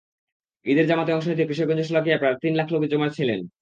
ঈদের জামাতে অংশ নিতে কিশোরগঞ্জের শোলাকিয়ায় প্রায় তিন লাখ লোক জমায়েত হয়েছিলেন।